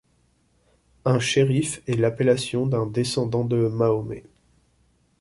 Un chérif est l'appellation d'un descendant de Mahomet.